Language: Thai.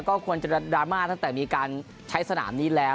ก็ควรจะดราม่าตั้งแต่มีการใช้สนามนี้แล้ว